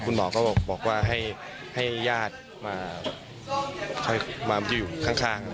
คุณหมอก็บอกว่าให้ญาติมาอยู่ข้าง